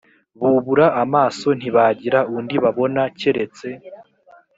bubura amaso ntibagira undi babona keretse